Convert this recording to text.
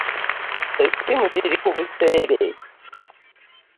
Essimu ziri ku buseere.